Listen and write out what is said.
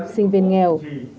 sinh viên nghèo